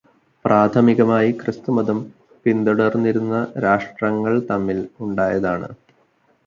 പ്രാഥമികമായി ക്രിസ്തുമതം പിന്തുടര്ന്നിരുന്ന രാഷ്ട്രങ്ങള് തമ്മില് ഉണ്ടായതാണ്.